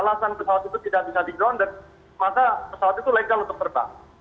kalau misalkan pesawat itu tidak bisa digrondet maka pesawat itu legal untuk terbang